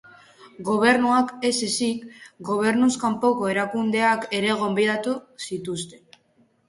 Gobernuak ez ezik, gobernuz kanpoko erakundeak ere gonbidatu zituzten.